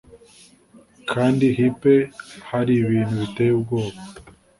kandi hipe hari ibintu biteye ubwoba